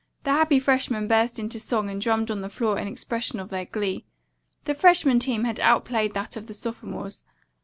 The happy freshmen burst into song and drummed on the floor in expression of their glee. The freshmen team had outplayed that of the sophomores.